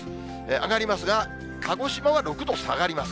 上がりますが、鹿児島は６度下がります。